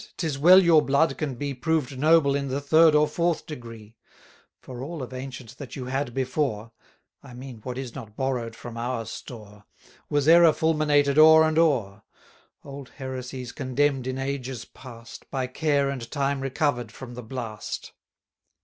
'tis well your blood can be Proved noble in the third or fourth degree: For all of ancient that you had before, (I mean what is not borrow'd from our store) Was error fulminated o'er and o'er; Old heresies condemn'd in ages past, By care and time recover'd from the blast.